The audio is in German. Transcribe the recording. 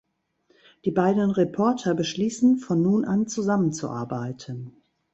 Die beiden Reporter beschließen, von nun an zusammenzuarbeiten.